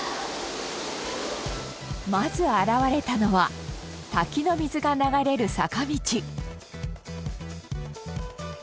まず現れたのは滝の水が流れる坂道。